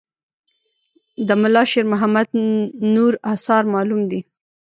د ملا شیر محمد نور آثار معلوم دي.